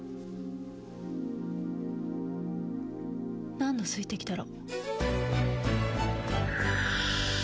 何の水滴だろ？